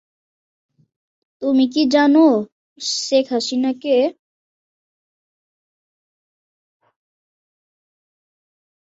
নিরাময়ের লক্ষ্যে স্থাপিত প্রাচীনতম নথিভুক্ত প্রতিষ্ঠানগুলো ছিল প্রাচীন মিশরীয় মন্দিরগুলো।